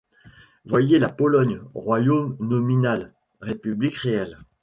Voyez la Pologne ; royaume nominal, république réelle.